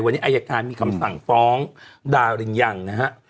วันนี้อายการมีคำสั่งฟ้องดารินยังนะฮะ